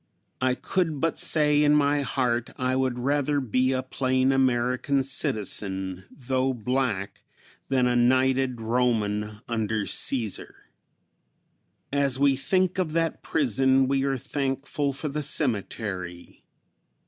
I could but say in my heart I would rather be a plain American citizen, though black, than a knighted Roman under Cæsar. As we think of that prison we are thankful for the cemetery.